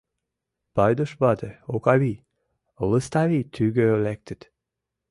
Пайдуш вате, Окавий, Лыставий тӱгӧ лектыт.